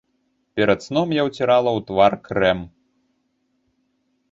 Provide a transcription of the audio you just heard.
Перад сном я ўцірала ў твар крэм.